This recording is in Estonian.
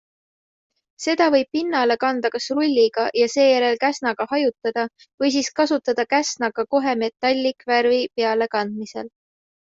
Seda võib pinnale kanda kas rulliga ja seejärel käsnaga hajutada või siis kasutada käsna ka kohe metallikvärvi pealekandmisel.